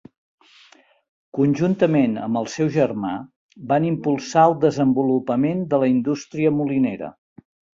Conjuntament amb el seu germà van impulsar el desenvolupament de la indústria molinera.